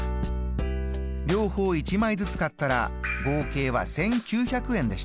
両方一枚ずつ買ったら合計は１９００円でした。